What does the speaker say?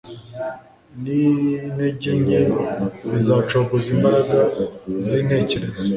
n’intege nke bizacogoza imbaraga z’intekerezo.